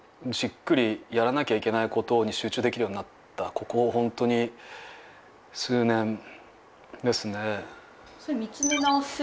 ここホントに数年ですね。